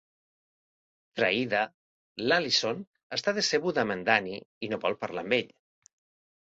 Traïda, l'Allyson està decebuda amb en Danny i no vol parlar amb ell.